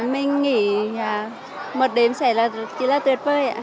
mình nghĩ một đêm sẽ là tuyệt vời